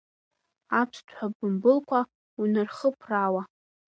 Аԥсҭҳәа бымбылқәа унархыԥраауа…